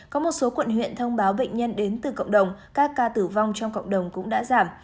có một số quận huyện thông báo bệnh nhân đến từ cộng đồng các ca tử vong trong cộng đồng cũng đã giảm